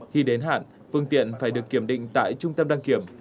khi đến hạn phương tiện phải được kiểm định tại trung tâm đăng kiểm